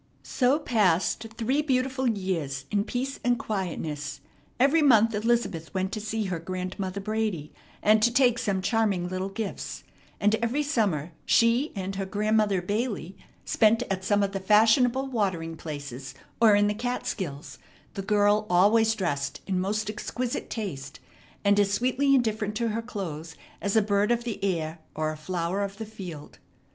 So passed three beautiful years in peace and quietness. Every month Elizabeth went to see her Grandmother Brady, and to take some charming little gifts; and every summer she and her Grandmother Bailey spent at some of the fashionable watering places or in the Catskills, the girl always dressed in most exquisite taste, and as sweetly indifferent to her clothes as a bird of the air or a flower of the field.